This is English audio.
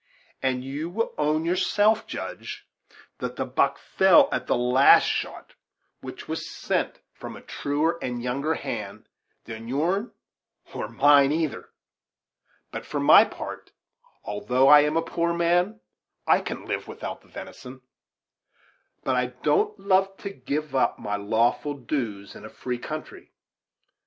And you will own yourself, Judge, that the buck fell at the last shot, which was sent from a truer and a younger hand than your'n or mine either; but, for my part, although I am a poor man I can live without the venison, but I don't love to give up my lawful dues in a free country.